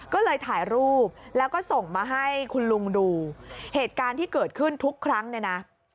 ก็เลยถ่ายรูปแล้วก็ส่งมาให้คุณลุงดูเหตุการณ์ที่เกิดขึ้นทุกครั้งเนี่ยนะ